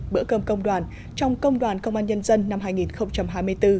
bữa cơm công đoàn trong công đoàn công an nhân dân năm hai nghìn hai mươi bốn